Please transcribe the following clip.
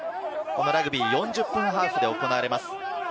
ラグビーは４０分ハーフで行われます。